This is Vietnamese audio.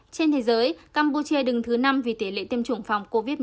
trên thế giới campuchia đứng thứ năm vì tỷ lệ tiêm chủng phòng covid một mươi chín